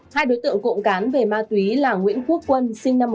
hai đối tượng cộng cán về ma túy là nguyễn quốc quân sinh năm một nghìn chín trăm tám mươi